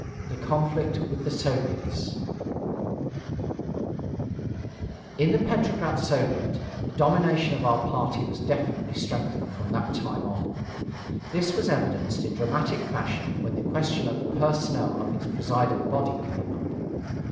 THE CONFLICT WITH THE SOVIETS In the Petrograd Soviet, the domination of our party was definitely strengthened from that time on. This was evidenced in dramatic fashion when the question of the personnel of its presiding body came up.